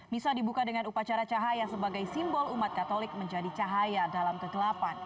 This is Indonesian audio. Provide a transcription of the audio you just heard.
misa dibuka dengan upacara cahaya sebagai simbol umat katolik menjadi cahaya dalam kegelapan